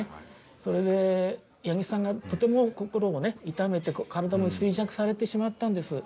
それで八木さんがとても心をね痛めて体も衰弱されてしまったんです。